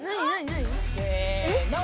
せの！